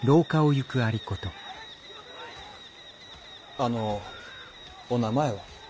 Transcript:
あのお名前は。